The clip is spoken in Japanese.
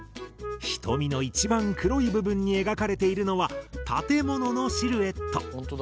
瞳の一番黒い部分に描かれているのは建物のシルエット。